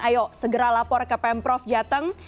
ayo segera lapor ke pemprov jateng